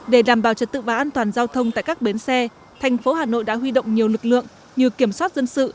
để đảm bảo trật tự và an toàn giao thông tại các bến xe thành phố hà nội đã huy động nhiều lực lượng như kiểm soát dân sự